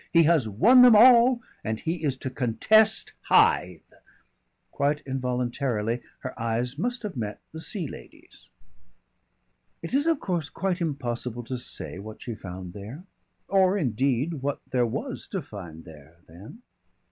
He has won them all and he is to contest Hythe." Quite involuntarily her eyes must have met the Sea Lady's. It is of course quite impossible to say what she found there or indeed what there was to find there then.